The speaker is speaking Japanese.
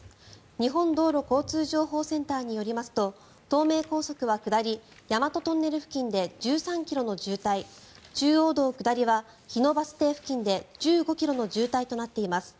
日本道路交通情報センターによりますと東名高速は下り、大和トンネル付近で１３ｋｍの渋滞中央道下りは日野バス停付近で１５ｋｍの渋滞となっています。